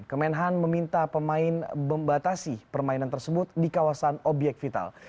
kemenhan meminta pemain membatasi permainan tersebut di kawasan obyek vital